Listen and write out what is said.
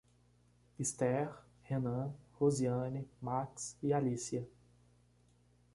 Esther, Renan, Roseane, Max e Alícia